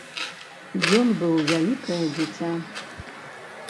Ён быў вялікае дзіця.